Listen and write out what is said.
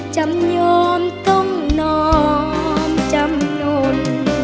จำยอมต้องน้อมจำนวน